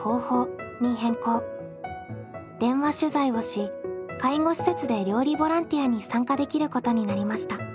電話取材をし介護施設で料理ボランティアに参加できることになりました。